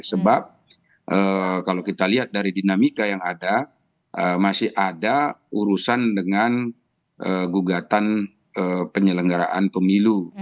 sebab kalau kita lihat dari dinamika yang ada masih ada urusan dengan gugatan penyelenggaraan pemilu